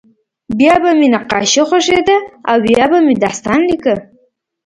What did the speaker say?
بیا به مې نقاشي خوښېده او یا به مې داستان لیکه